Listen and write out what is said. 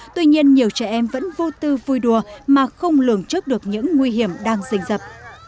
tuy nhiên nhiều trẻ em vẫn vô tư vui đùa mà không lường trước được những nguy hiểm đang dình dập